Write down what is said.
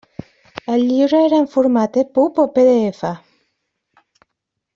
El llibre era en format EPUB o PDF?